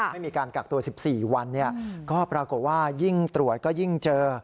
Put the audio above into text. ไม่มีการกักตัว๑๔วันก็ปรากฏว่ายิ่งตรวจก็ยิ่งเจอ